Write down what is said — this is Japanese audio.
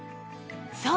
そう！